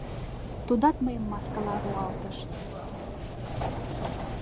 Тудат мыйым маскала руалтыш.